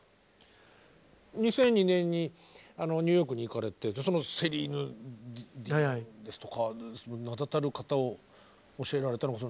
２００２年にあのニューヨークに行かれてそのセリーヌ・ディオンですとか名だたる方を教えられたのが。